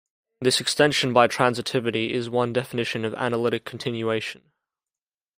This extension by transitivity is one definition of analytic continuation.